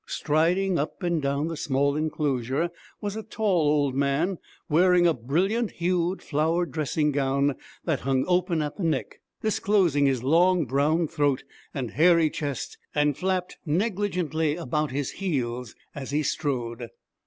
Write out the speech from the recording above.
Striding up and down the small enclosure was a tall old man wearing a brilliant hued, flowered dressing gown that hung open at the neck, disclosing his long brown throat and hairy chest, and flapped negligently about his heels as he strode.